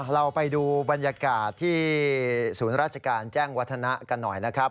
เราไปดูบรรยากาศที่ศูนย์ราชการแจ้งวัฒนะกันหน่อยนะครับ